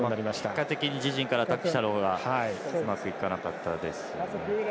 結果的に自陣からアタックしたのはうまくいかなかったですね。